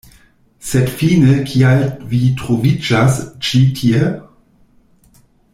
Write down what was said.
Sed fine kial vi troviĝas ĉi tie?